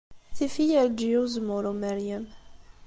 Tif-iyi Ɛelǧiya n Uzemmur Umeryem.